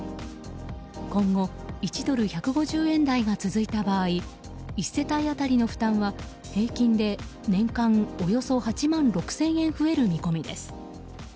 今後、１ドル＝１５０円台が続いた場合１世帯当たりの負担は、平均で年間およそ８万６０００円増える見込みです。